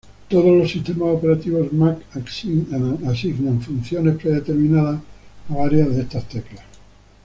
Todos los sistemas operativos Mac asignan funciones predeterminadas a varias de estas teclas.